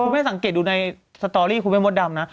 มันให้สังเกตดูในสตอรี่คุณแพทย์โหมดดำนะ